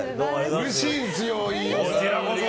うれしいですよ、飯尾さん。